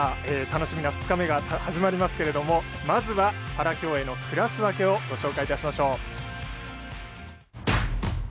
楽しみな２日目が始まりますけどもまずはパラ競泳のクラス分けをご紹介いたしましょう。